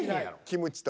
キムチと。